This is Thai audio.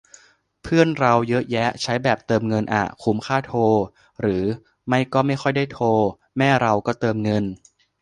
เพื่อนเราเยอะแยะใช้แบบเติมเงินอ่ะ คุมค่าโทร หรือไม่ก็ไม่ค่อยได้โทร แม่เราก็เติมเงิน